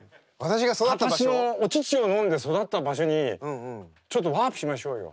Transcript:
私のお乳を飲んで育った場所にちょっとワープしましょうよ。